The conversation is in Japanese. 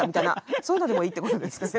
そういうのでもいいってことですかね。